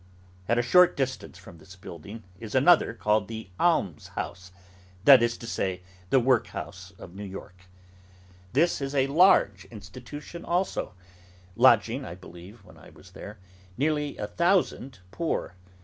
At a short distance from this building is another called the Alms House, that is to say, the workhouse of New York. This is a large Institution also: lodging, I believe, when I was there, nearly a thousand poor.